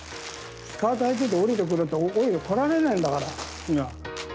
スカートはいてて降りてくると降りてこられないんだから。